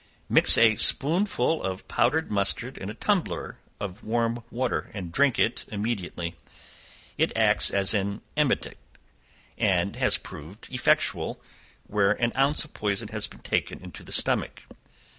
Mix a spoonful of powdered mustard in a tumbler of warm water, and drink it immediately; it acts as an emetic, and has proved effectual where an ounce of poison had been taken into the stomach.